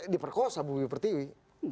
diperkosa ibu pertiwi